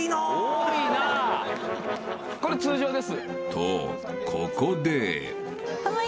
［とここで］